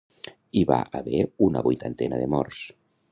Hi va haver una vuitantena de morts.